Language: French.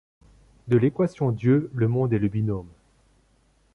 De l’équation Dieu le monde est le binôme